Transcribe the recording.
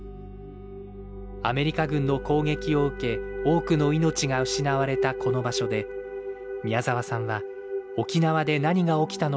アメリカ軍の攻撃を受け多くの命が失われたこの場所で宮沢さんは沖縄で何が起きたのかを知ったのです。